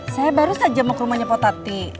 saya baru saja mau ke rumahnya po tati